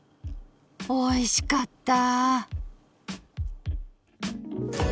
おいしかった。